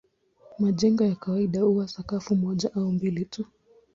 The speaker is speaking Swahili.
Majengo ya kawaida huwa sakafu moja au mbili tu.